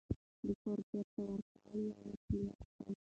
د پور بېرته ورکول یو مسوولیت دی.